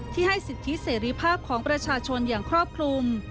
ให้สิทธิเสรีภาพของประชาชนอย่างครอบคลุม